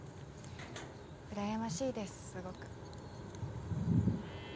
うらやましいですすごく。